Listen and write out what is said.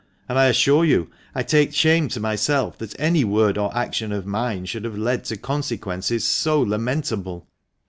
And I assure you, I take shame to myself that any word or action of mine should have led to consequences so lamentable.